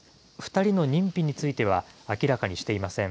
２人の認否については明らかにしていません。